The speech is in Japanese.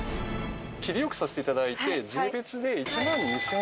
切りよくさせていただいて税別で。